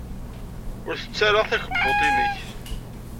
Ur ttettu ara takebbuḍt-nnek.